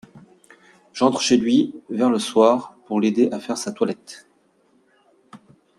J’entre chez lui, vers le soir, pour l’aider à faire sa toilette.